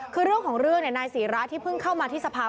คือเรื่องของเรื่องนายศีระที่เพิ่งเข้ามาที่สภาพ